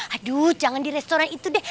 aduh jangan di restoran itu deh